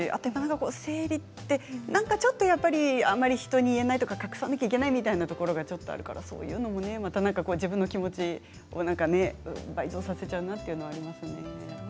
生理ってなんかちょっとあまり人に言えない隠さなきゃいけないみたいなところがちょっとあるからそういうのもまた自分の気持ちをね倍増させちゃうなというのがありますね。